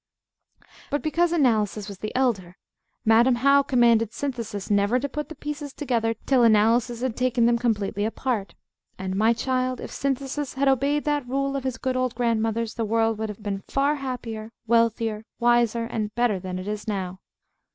But because Analysis was the elder, Madam How commanded Synthesis never to put the pieces together till Analysis had taken them completely apart. And, my child, if Synthesis had obeyed that rule of his good old grandmother's, the world would have been far happier, wealthier, wiser, and better than it is now.